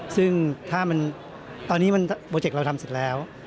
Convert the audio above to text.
ซึ่งตอนนี้โปรเจกต์เราทำสิ้นแล้ว